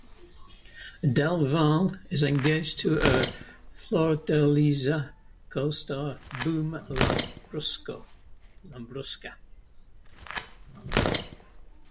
Del Valle is engaged to her "Flordeliza" co-star Boom Labrusca.